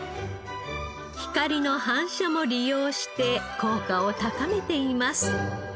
光の反射も利用して効果を高めています。